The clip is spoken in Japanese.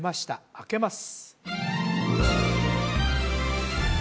あけます